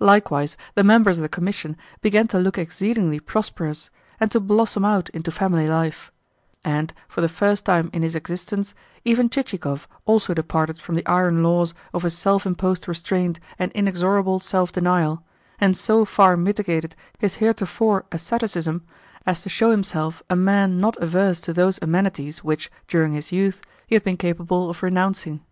Likewise the members of the Commission began to look exceedingly prosperous, and to blossom out into family life; and, for the first time in his existence, even Chichikov also departed from the iron laws of his self imposed restraint and inexorable self denial, and so far mitigated his heretofore asceticism as to show himself a man not averse to those amenities which, during his youth, he had been capable of renouncing.